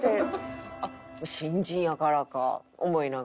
あっ新人やからか思いながら。